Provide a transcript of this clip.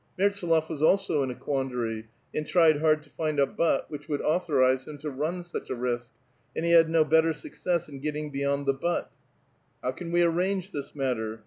Mertsdlof was also in a quandary, and tried hard to find a "but" which would authorize him to run such a risk, and he had no better success in getting beyond the " but." "How can we arrange this matter?